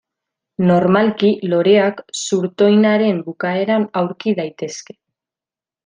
Normalki loreak zurtoinaren bukaeran aurki daitezke.